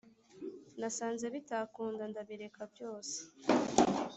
Nasanze bitakunda ndabireka byose